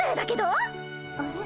あれ？